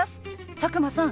佐久間さん